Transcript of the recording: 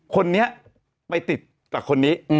คนนี้ไปติดกับคนนี้